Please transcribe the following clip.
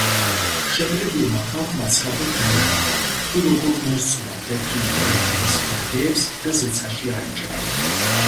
შეკრებილმა ხალხმა ცხადად დაინახა, თუ როგორ მოსწყდა თეთრი მტრედი მის ბაგეებს და ზეცაში აიჭრა.